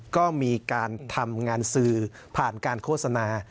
ก็มีการทำงานสื่อผ่านการโฆษณา